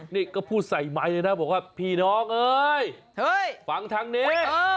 นี่ก็พูดใส่ไมค์เลยนะบอกว่าพี่น้องเอ้ยฟังทางนี้